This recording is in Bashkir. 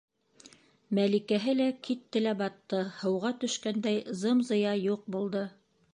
Мәликәһе лә китте лә батты, һыуға төшкәндәй зым-зыя юҡ булды.